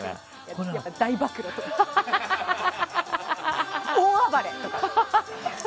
大暴露！とか、大暴れ！とか。